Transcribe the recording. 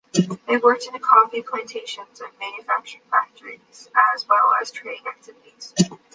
They worked in coffee plantations and in manufacturing factories, as well as trading activities.